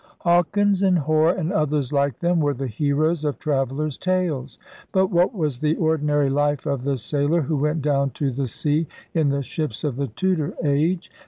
Hawkins and Hore, and others like them, were the heroes of travellers' tales. But what was the ordinary life of the sailor who went down to the sea in the ships of the Tudor age